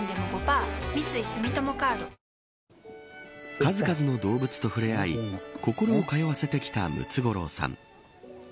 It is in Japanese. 数々の動物と触れ合い心を通わせてきたムツゴロウさん。